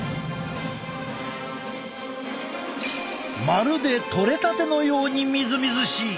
まるでとれたてのようにみずみずしい！